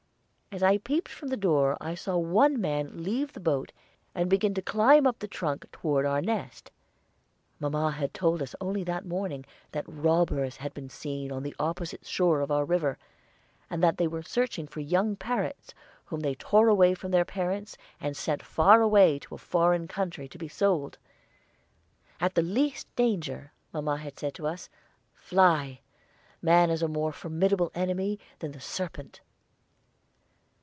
As I peeped from the door I saw one man leave the boat and begin to climb up the trunk toward our nest. Mamma had told us only that morning that robbers had been seen on the opposite shore of our river, and that they were searching for young parrots, whom they tore away from their parents, and sent far away to a foreign country to be sold. "At the least danger," mamma had said to us, "fly. Man is a more formidable enemy than the serpent."